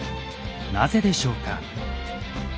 なぜでしょうか？